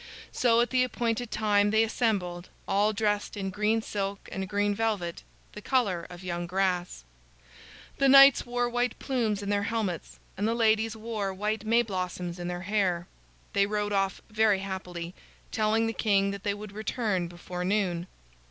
So at the appointed time they assembled, all dressed in green silk and green velvet, the color of young grass. The knights wore white plumes in their helmets, and the ladies wore white May blossoms in their hair. They rode off very happily, telling the king that they would return before noon.